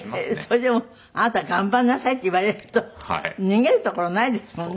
それでも「あなた頑張んなさい」って言われると逃げるところないですもんね。